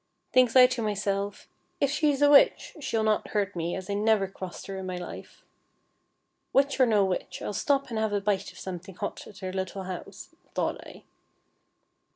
Thinks I to myself: "If she's a Witch, she'll not hurt me, as I never crossed her in my life. Witch or no Witch, I'll stop and have a bite of something hot at her little house," thought I.